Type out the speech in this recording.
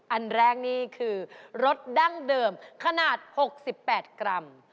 อันแรกนี่คือรสดั้งเดิมขนาด๖๘กรัม